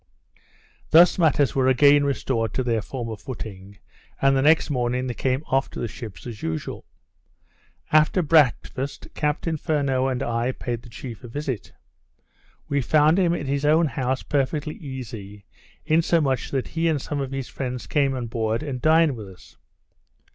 Thus matters were again restored to their former footing, and the next morning they came off to the ships as usual. After breakfast, Captain Furneaux and I paid the chief a visit; we found him at his own house perfectly easy, insomuch that he and some of his friends came on board and dined with us.